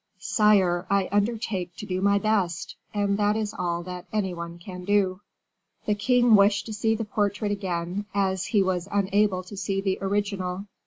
"Sire, I undertake to do my best, and that is all that any one can do." The king wished to see the portrait again, as he was unable to see the original.